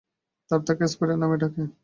তারা তাকে স্পাইডার নামে ডাকে।